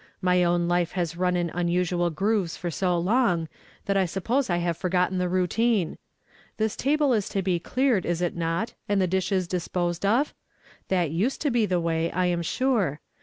My own life has run in umisnal grooves for so long that I suppose I have forgotten the ro\.tinu. This table is to be elearcd, is it not, and the dislios disposed of? That used to be the way, I am sure.